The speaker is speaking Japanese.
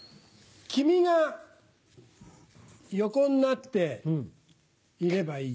「君」が横になっていればいい。